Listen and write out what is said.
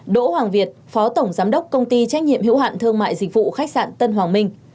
đỗ hoàng việt phó tổng giám đốc công ty trách nhiệm hữu hạn thương mại dịch vụ khách sạn tân hoàng minh